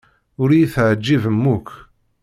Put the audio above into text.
Ur iyi-teɛjibem akk.